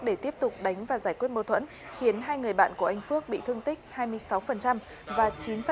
để tiếp tục đánh và giải quyết mâu thuẫn khiến hai người bạn của anh phước bị thương tích hai mươi sáu và chín